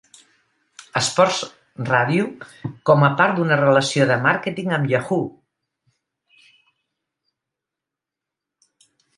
Sports Radio com a part d'una relació de màrqueting amb Yahoo!